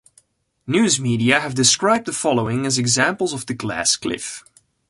News media have described the following as examples of the glass cliff.